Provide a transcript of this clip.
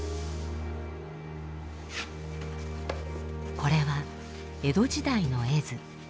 これは江戸時代の絵図。